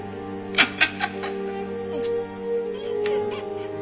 ハハハッ！